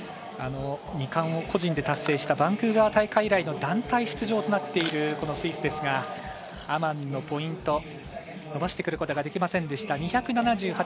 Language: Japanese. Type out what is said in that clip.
２冠を個人で達成したバンクーバー大会以来の団体出場となっているスイスアマンのポイント伸ばしてくることができませんでした。